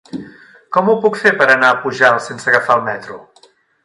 Com ho puc fer per anar a Pujalt sense agafar el metro?